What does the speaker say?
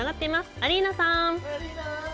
アリーナさん！